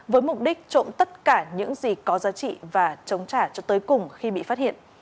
với mục đích trộm tất cả những gì có giá trị và chống trả cho tới cùng khi bị phát hiện